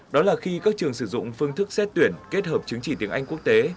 đó là khi các trường sử dụng phương thức xét tuyển kết hợp chứng chỉ tiếng anh quốc tế